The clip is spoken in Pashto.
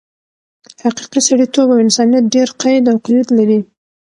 حقیقي سړیتوب او انسانیت ډېر قید او قیود لري.